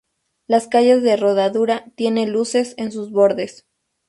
Las calles de rodadura tiene luces en sus bordes.